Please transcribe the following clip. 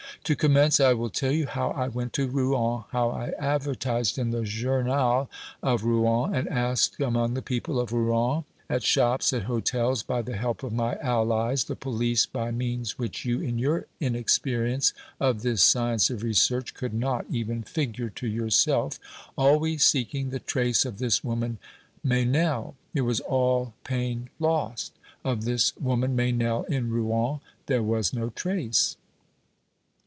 To commence, I will tell you how I went to Rouen, how I advertised in the journals of Rouen, and asked among the people of Rouen at shops, at hotels, by the help of my allies, the police, by means which you, in your inexperience of this science of research, could not even figure to yourself always seeking the trace of this woman Meynell. It was all pain lost. Of this woman Meynell in Rouen there was no trace.